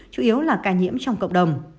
chủ yếu là ca nhiễm trong cộng đồng